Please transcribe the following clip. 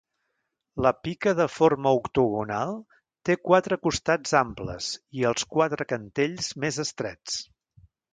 La pica de forma octogonal té quatre costats amples i els quatre cantells més estrets.